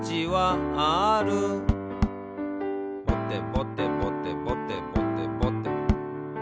「ぼてぼてぼてぼてぼてぼて」